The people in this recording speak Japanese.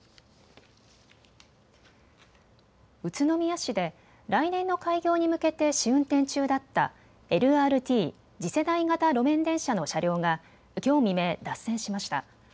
宇都宮市で来年の開業に向けて試運転中だったＬＲＴ・次世代型路面電車の車両がきょう未明、脱線しました。